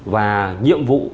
và nhiệm vụ